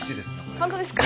ホントですか？